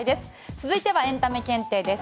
続いてはエンタメ検定です。